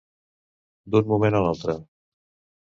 D'un moment a l'altre.